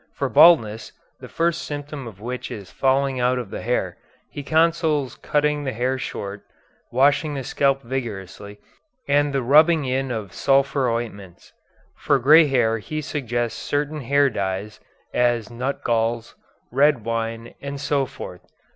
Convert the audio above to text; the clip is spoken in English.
For baldness, the first symptom of which is falling out of the hair, he counsels cutting the hair short, washing the scalp vigorously, and the rubbing in of sulphur ointments. For grey hair he suggests certain hair dyes, as nutgalls, red wine, and so forth.